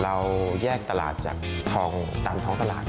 เราแยกตลาดจากทองตามท้องตลาด